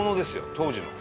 当時の。